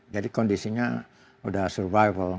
jadi kondisinya sudah survival